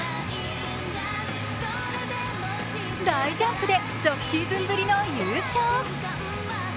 大ジャンプで６シーズンぶりの優勝。